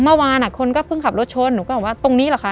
เมื่อวานคนก็เพิ่งขับรถชนหนูก็บอกว่าตรงนี้เหรอคะ